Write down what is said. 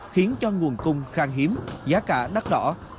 khiến cho nguồn cung khang hiếm giá cả đắt đỏ